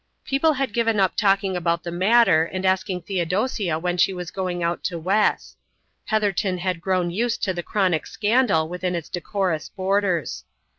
People had given up talking about the matter and asking Theodosia when she was going out to Wes. Heatherton had grown used to the chronic scandal within its decorous borders.